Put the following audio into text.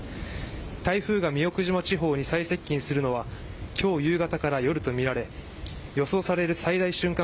台風が宮古島地方に最接近するのは今日夕方から夜とみられ予想される最大瞬間